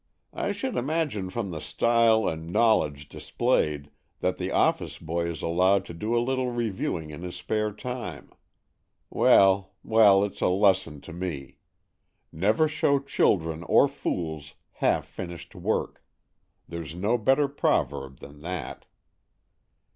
I should imagine from the style and know ledge displayed, that the office boy is allowed to do a little reviewing in his spare time. Well, well, it's a lesson to me. Never show children or fools half finished work — there's no better proverb than that."